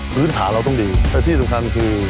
พื้นฐานเราต้องดีแต่ที่สำคัญคือ